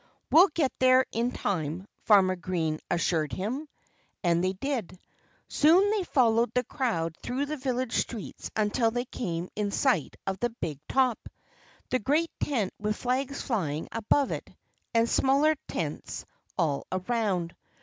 "We'll get there in time," Farmer Green assured him. And they did. Soon they followed the crowd through the village streets until they came in sight of the "big top," the great tent with flags flying above it, and smaller tents all around.